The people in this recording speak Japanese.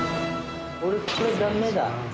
俺これダメだ。